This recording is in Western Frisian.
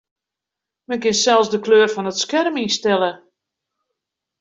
Men kin sels de kleur fan it skerm ynstelle.